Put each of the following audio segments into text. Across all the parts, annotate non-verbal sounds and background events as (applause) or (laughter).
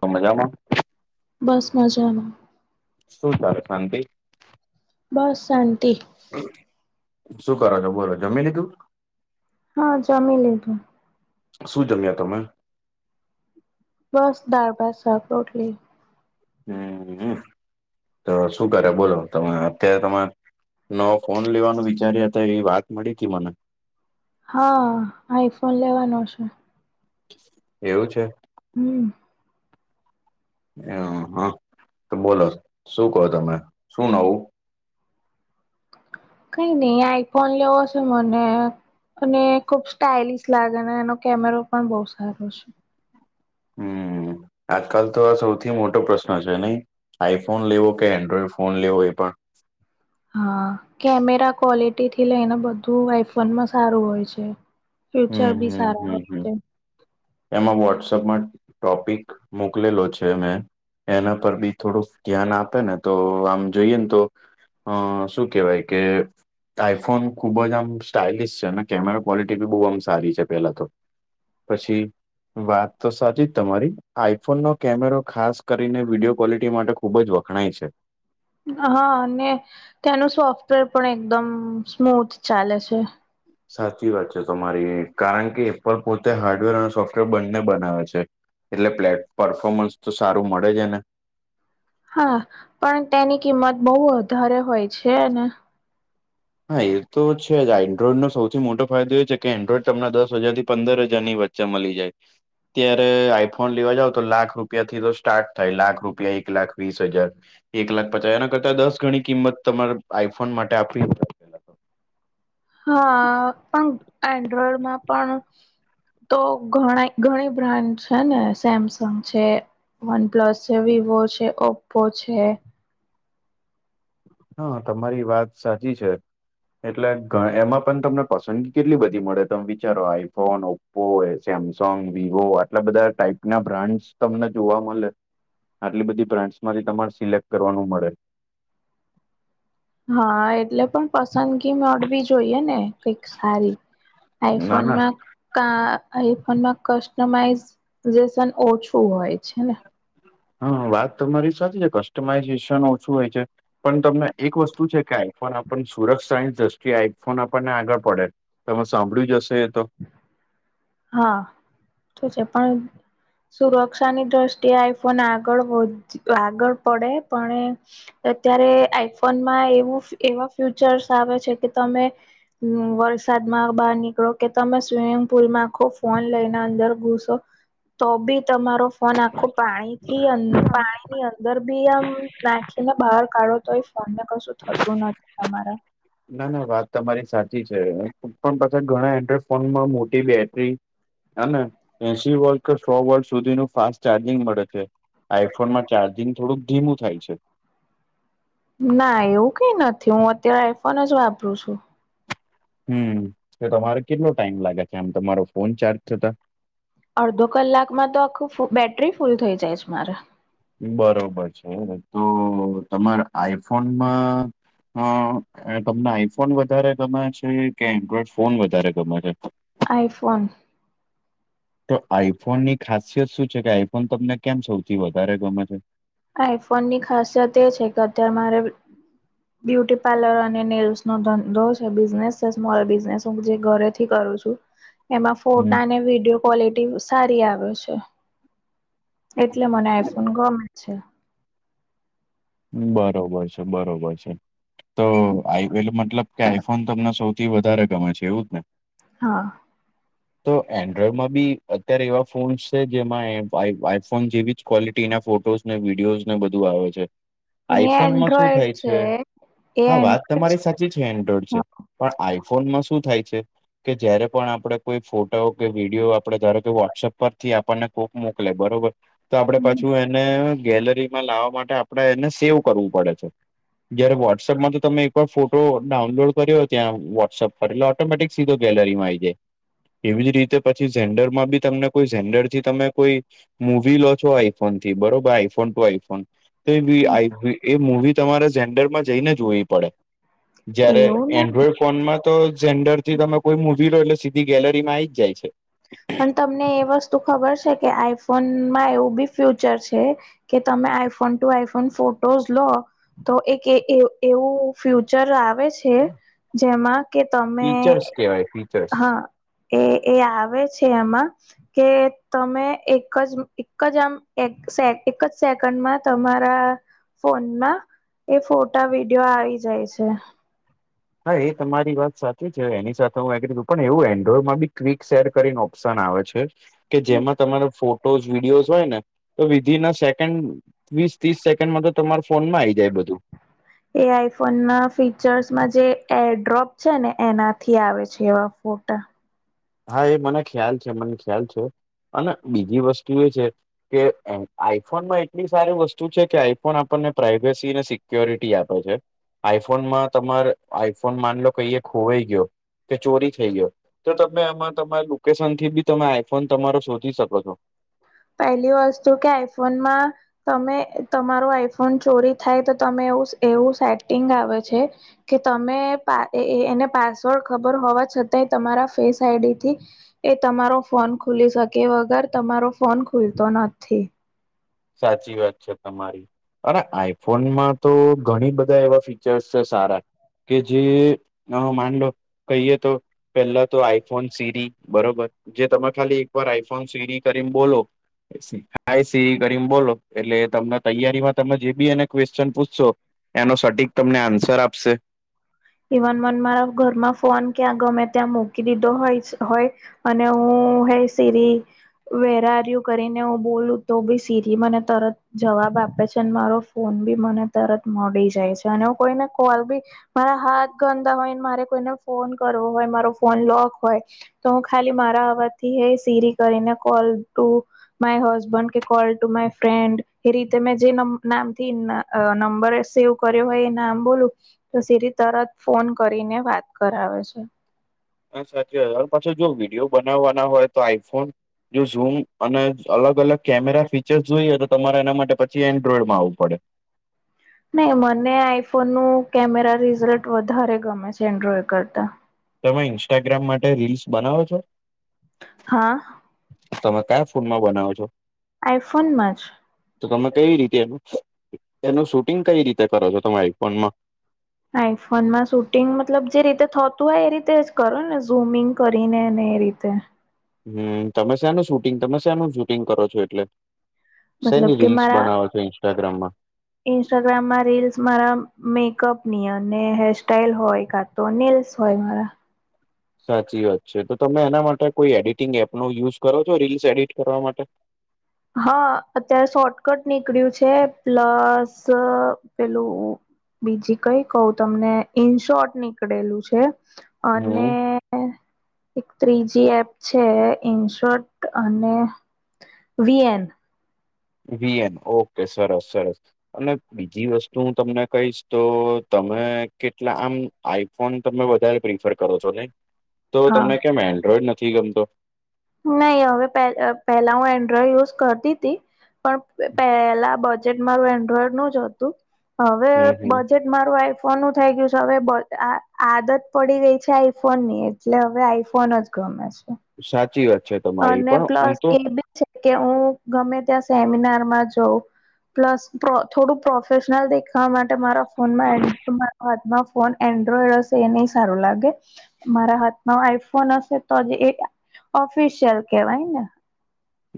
તો મજામાં? બસ મજામાં. શું ચાલે શાંતિ. બસ શાંતિ. શું કરો છો બોલો જમી લીધું. હા જમી લીધું. શું જમ્યા તમે. બસ દાળ ભાત શાક રોટલી. હમ તો શું કરે બોલો તમે અત્યારમાં. નવો ફોન લેવાનું વિચાર્યા હતા એવી વાત મળી હતી મને. હા આઈફોન લેવાનો છે. એવું છે. હમ. એ હા તો બોલો શું કો તમે શું નવું. કઈ નહી આઈફોન લેવો છે મને. અને ખુબ સ્ટાલિશ લાગે એનો કેમેરો પણ બહુ સારો છે. (inaudible) હમ આજકાલ તો આ સૌથી મોટો પ્રશ્ન છે નહી આઈફોન લેવો કે એન્ડ્રોઈડ ફોન લેવો એ પણ. હા કેમેરા ક્વોલિટી થી લઈને બધું આઈફોનમાં સારું હોય છે. ફ્યુચર હમ ભી હમ સારા હમ હોય. હમ છે એમાં વોટ્સઅપમાં ટોપિક મોકલેલો છે મેં એના પર બી થોડુંક ધ્યાન આપે ને તો આમ જોઈએ ને તો અ શું કહેવાય કે આઈફોન ખુબ જ આમ સ્ટાલિશ છે અને કેમેરા ક્વોલિટી બી બહુ આમ સારી છે પેલા તો પછી. વાત તો સાચી જ તમારી આઈફોન નો કેમેરો ખાસ કરીને વિડીયો ક્વોલિટી માટે ખુબ જ વખણાય છે. હા અને ત્યાનું સોફ્ટવેર પણ એકદમ સ્મૂથ ચાલે છે. સાચી વાત છે તમારી કારણ કે એ પણ પોતે હાર્ડવેર અને સોફ્ટવેર બંને બનાવે છે. એટલે પ્લે પરફોર્મન્સ તો સારું મળે છે ને હા પણ તેની કિંમત બહુ વધારે હોય છે ને હા એ તો છે જ એન્ડ્રોઈડ નો સૌથી મોટો ફાયદો એ છે કે એન્ડ્રોઈડ તમને દસ હજાર થી પંદર હજારની વચ્ચે જે મળી જાય. અત્યારે આઈફોન લેવા જાવ તો લાખ રૂપિયા થી તો સ્ટાર્ટ થાય લાખ રૂપિયા એક લાખ વીસ હજાર એક લાખ પચા એના કરતા દસ ગણી કિંમત તમારે આઈફોન માટે આપવી હા પણ એન્ડ્રોઈડમાં પણ તો ઘણા ઘણી બ્રાન્ડ છે ને સેમસંગ છે. વનપ્લસ છે વિવો છે ઓપ્પો છે. હા તમારી વાત સાચી છે. એટલે એમાં પણ તમને પસંદગી કેટલી બધી મળે તમે વિચારો આઈફોન ઓપ પો એ સેમસંગ વિવો આટલા બધા ટાઈપ ના બ્રાન્ડ તમને જોવા મળે. આટલી બધી બ્રાન્ડસ માંથી તમારે સિલેક્ટ કરવાનું મળે. હા એટલે પણ પસંદગી મળવી જોઈએ ને કઈક સારી ના ના આઈફોનમાં. કા આઈફોનમાં કસ્ટમાઈ ઝેશન ઓછું હોય છે ને હા વાત તો તમારી સાચી છે કસ્ટમાઈઝેશન ઓછું હોય છે. પણ તમને એક વસ્તુ છે કે આઈફોન આપણ સુરક્ષ સાયસ દ્રષ્ટિએ આઈફોન આપણને આગળ પડે. તમે સાંભળ્યું જશે તો. હા એ તો છે પણ. સુરક્ષાની દ્રષ્ટિએ આઈફોન આગળ વધ આગળ પડે પણ અત્યારે આઈફોનમાં એવું એવા ફ્યુચર્સ આવે છે કે તમે. હ વરસાદ માં બહાર નીકળો કે તમે સ્વિમિંગ પુલ માં આખો ફોન લઈને અંદર ઘુસો તો બી તમારો ફોન આખો પાણીથી પાણી ની અંદર બી આમ નાખીને બહાર કાઢો તો એ ફોન ને કશું થતું નથી તમારા. ના ના વાત તમારી સાચી છે પણ પાછા ઘણા એન્ડ્રોઈડ ફોનમાં મોટી બેટરી હને એસી વર્ષ કે સો વર્ષ સુધીનું ફાસ્ટ ચાર્જિંગ મળે છે. આઈફોનમાં ચાર્જિંગ થોડુંક ધીમું થાય છે. ના એવું કઈ નથી હું અત્યારે આઈફોન જ વાપરું છું. હમ તો તમારે કેટલો ટાઈમ લાગે છે આમ તો તમારો ફોન ચાર્જ થતા! અડધો કલાકમાં તો આખું બેટરી ફૂલ થઈ જાય છે મારે. બરોબર છે તો તમારે આઈફોનમાં હ તમને આઈફોન વધારે ગમે છે કે એન્ડ્રોઈડ ફોન વધારે ગમે છે! ! આઈફોન. તો આઈફોન ની ખાસિયત શું છે કે આઈફોન તમને કેમ સૌથી વધારે ગમે છે? આઈફોનની ખાસિયત એ છે કે અત્યારે મારે બ્યુટી પાર્લર અને નેલ્સ નો ધંધો છે બિઝનેસ છે સ્મોલ બિઝનેસ હું જે ઘરેથી કરું છું. એમાં હમ, ફોટા અને વિડીયો ક્વોલિટી સારી આવે છે. એટલે મને આઈફોન ગમે છે. બરોબર છે. બરોબર છે. તો આ એ મતલબ કે આઈફોન તમને સૌથી વધારે ગમે છે એવું જ ને! હા તો એન્ડ્રોઈડમાં બી અત્યારે એવા ફોન્સ છે જેમાં આઈફોન જેવી જ ક્વોલિટીના ફોટોસ ને વિડીયોઝ ને બધું આવે છે. પણ એ આઈફોનમાં શું એન્ડ્રોઈડ થાય છે એ હા વાત એન્ડ્રોઈડ તમારી સાચી છે એન્ડ્રોઈડ છે. પણ આઈફોનમાં શું થાય છે. કે જયારે પણ આપડે કોઈ ફોટો કે વિડીિયો આપડે ધારો કે વોટ્સઅપ પરથી આપણને કોક મોકલે બરોબર તો આપડે પાછું એને ગેલરીમાં લાવવા માટે આપણેે એને સેવ કરવું પડે છે. જયારે વોટ્સએપમાં તો તમે એકવાર ફોટો ડાઉનલોડ કર્યો ત્યાં વોટ્સએપ ફરી લો ઓટોમેટિક સીધો ગેલેરીમાં આવી જાય. એવી જ રીતે પછી ઝેન્ડર માં બી તમને કોઈ ઝન્ડર થી તમે કોઈ મુવી લો છો આઈફોન થી બરોબર આઈફોન ટુ આઈફોન તો એ મુવી તમારે ઝન્ડરમાં જઈને જોવી પડે. જયારે એવું ના એન્ડ્રોઈડ ફનમાં તો જેન્ડર થી તમે કોઈ મુવી લો એટલે સીધી ગેલેરીમાં આવીઈ જ જાય છે. પણ તમને એ વસ્તુ ખબર છે કે આઈફોનમાં એવું બી ફ્યુચર છે કે તમે આઈફોન ટુ આઈફોન ફોટોઝ લો તો એક એવું ફ્યુચર આવે છે. જેમાં કે તમે ફીચર્સ કેવાય ફીચર્સ. હા એ આવે છે‌ એમાં. કે તમે એક જ એક જ આમ એક એક જ સેકન્ડમાં તમારા ફોનમાં એ ફોટા વિડીિયો આવી જાય છે. હા એ તમારી વાત સાચી છે એની સાથે હું એગ્રી પણ એવું એન્ડ્રોઈડમાં બી ક્વિક શેર કરીને ઓપ્શન આવે છે. કે જેમાં તમારો ફોટોસ વિડીયોઝ હોય ને તો વિધિન અ સેકન્ડ વીસ ત્રીસ સેકન્ડમાં તો તમાર ફોન માં આ આવી જાય બધું. એ આઈફોન ના ફીચર્સમાં જે એડ્રોપ છે ને એનાથી આવે છે એવા ફોટા. હા એ મને ખ્યાલ છે મને ખ્યાલ છે અને બીજી વસ્તુ એ છે. કે આઈફોનમાં એટલી સારી વસ્તુ છે કે આઈફોન આપણને પ્રાાઈવેસી અને સિક્યોરિટી આપે છે. આઈફોનમાં તમારે આઈફોન માનલો કહીએ ખોવાઈ ગયો. કે ચોરી થઈ ગયો તો ત તમે આમાં તમારા લોકેશન થી બી તમે આઈફોન તમારો શોધી શકો છો. પહેલી વસ્તુ કે આઈ ફોનમાં. તમે તમારો આઈફોન ચોરી થાય તો તમે એવું એવું સેટિંગ આવે છે. કે તમે પ એ એ એને પાસવર્ડ ખબર હોવા છતાંય તમારા ફેસ આઈડી થી. એ તમારો ફોન ખુલી શકે વગર તમારો ફોન ખુલતો નથી. સાચી વાત છે તમારી. અને આઈફોનમાં તો ઘણી બધા એવા ફીચર્સ છે સારા કે જે અ માંડો કહીએ તો. પેલા તો આઈફોન સીરી બરોબર. જે તમે ખાલી એક વાર આઈફોન સીરી કરીને બોલો આઇ સી. કરીને બોલો એટલે તમને તૈયારીમાં તમે જે બી અને ક્વેશ્ચન પૂછશો એનો સટીક તમને આન્સર આપશે. ઇવન મન મારા ઘરમાં ફોન કયાં ગમે ત્યાં મૂકી દીધો હોય હોય. અને હું hey Siri. Where are you કરીને હું બોલું તો ભી સીરી મને તરત જવાબ આપે છે મારો ફોન બી મને તરત મળી જાય છે અને હું કોઈને કોલ બી મારા હાથ ગંદા હોયને મારે કોઈને ફોન કરવો હોય મારો ફોન લોક હોય તો હું ખાલી મારા અવાજ થી એ સીરી કરીને કોલ ટુ માય હસબન્ડ કે કોલ ટુ માય ફ્રેન્ડ એ રીતે મેં જે નામ થી. અ નંબર એ સેવ કર્યો હોય એ નામ બોલું તો સીરી. તરત ફોન કરીને વાત કરાવે છે. આ સાચી વાત હા પાછો જો વિડીયો બનાવવાના હોય તો આઈફોન જો ઝૂમ અને અલગ અલગ કેમેરા ફીચર્સ જોઈએ તો તમારે એના માટે પછી એન્ડ્રોઈડમાં આવવું પડે. નહી મને આઈફોન નું કેમેરા રિઝલ્ટ વધારે ગમે છે એન્ડ્રોડ કરતા. તમે ઇન્સ્ટાગ્રામ માટે રીલ્સ બનાવો છો. હા. તમે કયા ફોન માં બનાવો છો. આઈ ફોન માંજ. તો તમે કવી રીતે એ એનું શૂટિંગ કઈ રીતે કરો છો તમે આઈફોન માં આઈફોનમાં શૂટિંગ મતલબ જે રીતે થતું હોય એ રીતે જ કરો ને ઝૂમિંગ કરીને ને એ રીતે. હમ તમે શેનું શૂટિંગ તમે શેનું શૂટિંગ કરો છો એટલે. મતલબ શેની કે રીલ્સ મારા બનાવો છો ઇન્સ્ટાગ્રામમાં. ઇન્સ્ટાગ્રામમાં રીલ્સ મારા મેકઅપ ની અને હેરસ્ટાઈલ હોએ એકાદ. ડોનિલ્સ હોય મારા. સાચી વાત છે તો તમે એના માટે કોઈ એડિટિંગ એપનો યુઝ કરો છો રીલસ એડિટ કરવા માટે. હા અત્યારે શોર્ટકટ નીકળ્યું છે પ્લસ પેલું બીજી કઈ કહું તમને ઇન શોર્ટ નીકળેલું છે. અને. હમ એક ત્રીજી એપ છે ઇનશોટ અને V N. V N okay સરસ સરસ. અને બીજી વસ્તુ હું તમને કહીશ તો તમે કેટલા આમ. આઈફોન તમે વધારે પ્રિફર કરો છો ને. હ (unintelligible) તો તમને કેમ એન્ડ્રોઈડ નથી ગમતો. નહી હવે પેહ પહેલા હું એન્ડ્રોઈડ યુઝ કરતી હતી પણ પેલા બધ. જેન મારું એન્ડ્રોઈડ નું જ હતું હવે હમ હમ બજટ. મારું આઈફોન નું થઈ ગયું છે હવે અ આ આદત પડી ગઈ છે આઈફોન ની. એટલે હવે આઈફોન જ ગમે છે. સાચી વાત છે. તમારી અને પણ હું પ્લસ તો એ બી છે કે હું ગમે ત્યાં સેમિનાર માં જઉં પ્લસ પ્ર થોડું પ્રોફેશનલ દેખાવા માટે મારા ફોનમાં (unintelligible) હાથમાં ફોન એન્ડ્રોઈડ હશે એ નહીં સારું લાગે મારા હાથમાં આઈફોન હશે તો જ એ પ્રો ફેશનલ કેવાય ન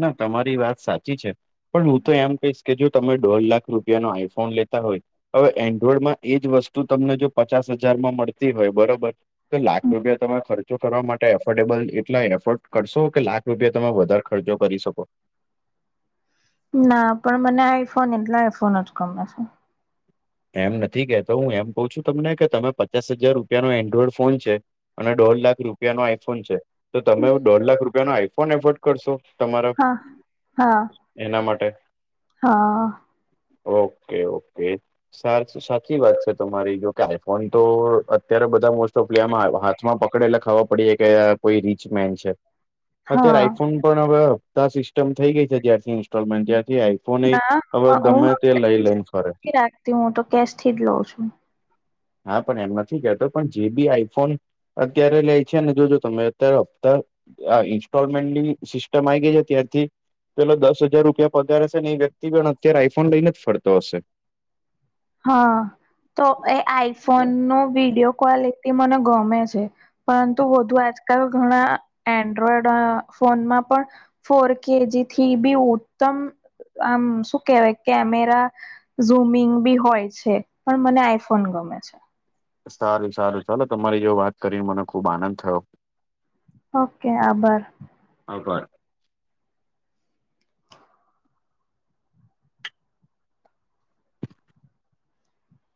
ના તમારી વાત સાચી છે પણ હું તો એમ કહીશ કે જો તમે દોઢ લાખ રૂપિયાનો આઈફોન લેતા હોય હવે એન્ડ્રોઈડમાં એજ વસ્તુ તમને જો પચાસ હજારમાં મળતી હોય બરોબર તો લાખ રૂપિયા તમે ખર્ચો કરવા માટે એફોર્ડેબલ એટલા એફોર્ડ કરશો કે લાખ રૂપિયા તમે વધારે ખર્ચો કરી શકો. ના પણ મને આઈફોન એટલે આઈફોન જ ગમે છે. એમ નથી કહેતો હું એમ કઉ છું તમને કે તમે પચાસ હજાર રૂપિયા નો એન્ડ્રોઈડ ફોન છે અને દોઢ લાખ રૂપિયા નો આઈફોન છે તો તમે દોઢ લાખ રૂપિયા નો આઈફોન એફોર્ડ કરશો તમારા હા હા એના માટે? હા. ઓકે, ઓકે, સારું સાચી વાત છે તમારી જો કે આઈફોન તો અત્યારે બધા મોસ્ટ ઓફ પ્લેયમાં હા હાથમાં પકડેલા ખબ ર પડે કે કોઈ રીચ મેન છે. અત્યારે હા આઈફોન પણ હવે આ સિસ્ટમ થઈ ગઈ છે જ્યારથી ઇન્સ્ટોલમેન્ટ જ્યારથી આઈ (unintelligible) નહી ના હવે ગમે તે લઈ લઈને ફરે તે હું તો કેશ થી જ લઉં છું. હા, પણ એમ નથી કહેતો પણ જે બી આઈફોન અત્યારે લઈ છે ને જોજો તમે અત્યારે હપ્તા આ ઇન્સ્ટોલમેન્ટની સિસ્ટમ આવી ગઈ છે ત્યાંથી પેલો દસ હજાર રૂપિયા પગાર હશે એ વ્યક્તિ પણ અત્યારે આઈફોન લઈને જ ફરતો હશે. હા તો એ આઈફોન નો વિડીયો કોલ એ તે મને ગમે છે પરંતુ વધુ આજકાલ ઘણા એન્ડ્રોઈડ અ ફોનમાં પણ ફોર કેજી થી બી ઉત્તમ આમ શું કેવાય કેમેરા, ઝૂમિંગભી હોય છે પણ મને આઈફોન ગમે છે. સારું સારું ચાલો તમારી જો વાત કરી મને ખુબ આનંદ થયો. ઓકે આબાર. આબર.